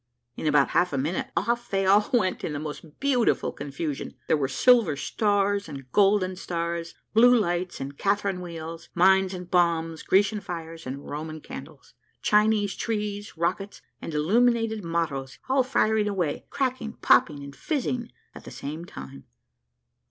In about half a minute, off they all went in the most beautiful confusion; there were silver stars and golden stars, blue lights and Catherine wheels, mines and bombs, Grecian fires and Roman candles, Chinese trees, rockets, and illuminated mottoes, all firing away, cracking, popping, and fizzing, at the same time.